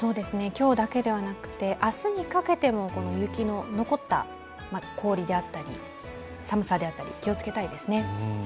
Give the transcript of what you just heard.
今日だけではなくて、明日にかけても雪の残った氷であったり、寒さであったり、気をつけたいですね。